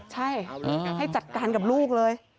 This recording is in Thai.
ใช่ให้จัดการกับลูกเลย